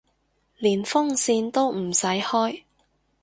連風扇都唔使開